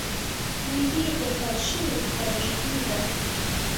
کمیډي اخلال شوې تراژیدي ده.